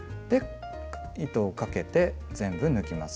糸をかけて全部抜きます。